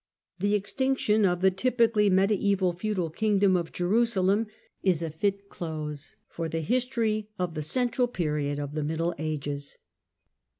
The extinction of the typically mediaeval feudal kingdom of Jerusalem is a fit close for the history of the Central Period of the Middle Ages.